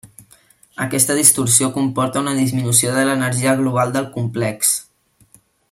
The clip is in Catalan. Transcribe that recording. Aquesta distorsió comporta una disminució de l'energia global del complex.